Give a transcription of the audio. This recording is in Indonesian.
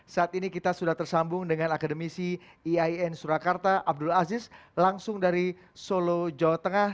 saat ini kita sudah tersambung dengan akademisi iain surakarta abdul aziz langsung dari solo jawa tengah